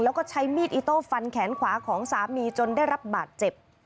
แล้วก็ใช้มีดอิโต้ฟันแขนขวาของสามีจนได้รับบาดเจ็บ